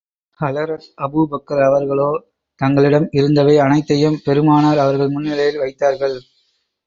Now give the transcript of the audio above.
Hazrat Abu Bakr அவர்களோ தங்களிடம் இருந்தவை அனைத்தையும் பெருமானார் அவர்கள் முன்னிலையில் வைத்தார்கள்.